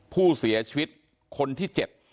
ผู้เสียชีวิตคนที่๗